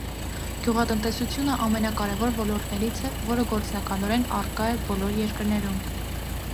Գյուղատնտեսությունը ամենակարևոր ոլորտներից է, որը գործնականորեն առկա է բոլոր երկրներում։